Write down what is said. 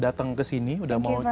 udah datang kesini udah mau cerita